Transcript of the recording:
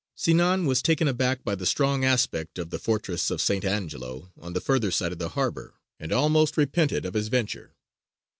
Sinān was taken aback by the strong aspect of the fortress of St. Angelo on the further side of the harbour, and almost repented of his venture.